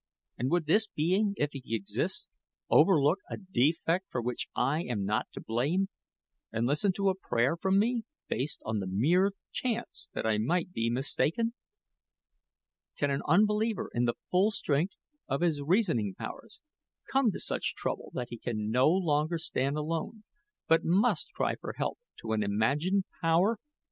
And would this being, if he exists, overlook a defect for which I am not to blame, and listen to a prayer from me, based on the mere chance that I might be mistaken? Can an unbeliever, in the full strength of his reasoning powers, come to such trouble that he can no longer stand alone, but must cry for help to an imagined power?